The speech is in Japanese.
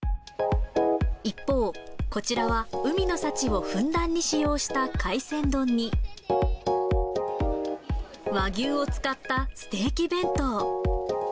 一方、こちらは海の幸をふんだんに使用した海鮮丼に、和牛を使ったステーキ弁当。